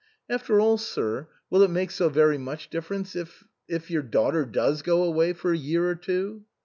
"After all, sir, will it make so very much difference if if your daughter does go away for a year or two